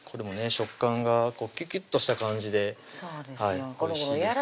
食感がキュキュッとした感じでそうですよ